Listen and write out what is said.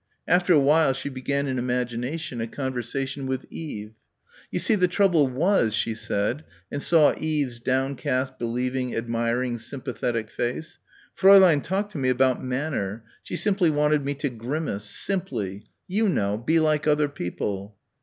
After a while she began in imagination a conversation with Eve. "You see the trouble was," she said and saw Eve's downcast believing admiring sympathetic face, "Fräulein talked to me about manner, she simply wanted me to grimace, simply. You know be like other people."